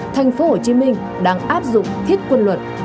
thành phố hồ chí minh đang áp dụng thiết quân luật